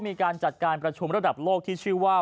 มีการจัดการประชุมระดับโลกที่ชื่อว่า